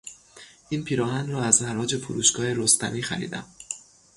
این پیراهن را از حراج فروشگاه رستمی خریدم.